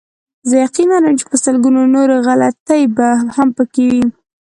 زه یقین لرم چې په لسګونو نورې غلطۍ به هم پکې وي.